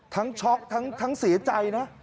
ช็อกทั้งเสียใจนะ